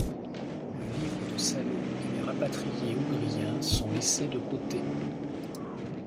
Le livre de Salo et les rapatriés ougriens sont laissés de côté.